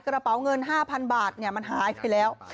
กระเป๋าเงิน๕๐๐๐บาทมันหายไปแล้ว